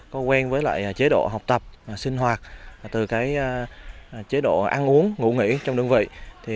có quen với lại chế độ học tập sinh hoạt từ chế độ ăn uống ngủ nghỉ trong đơn vị